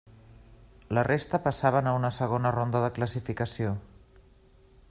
La resta passaven a una segona ronda de classificació.